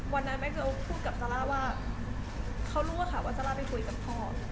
แม่เกลพูดกับซาร่าว่าเขารู้ว่าค่ะว่าซาร่าไปคุยกับพ่อ